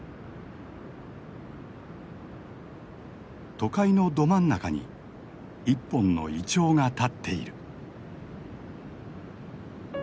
都会のど真ん中に一本のイチョウが立っている。